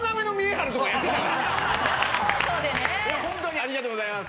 ありがとうございます。